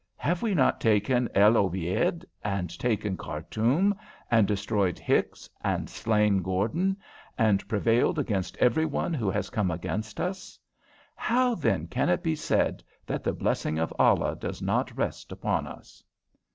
Have we not taken El Obeid, and taken Khartoum, and destroyed Hicks and slain Gordon, and prevailed against every one who has come against us? How, then, can it be said that the blessing of Allah does not rest upon us?"